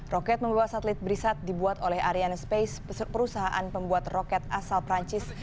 roket membuat satelit brisat dibuat oleh ariane space perusahaan membuat roket asal perancis